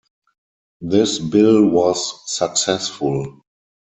This bill was successful.